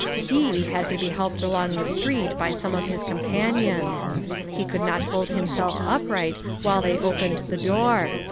He had to be helped along the street by some of his companions ; he could not hold himself upright while they opened the door.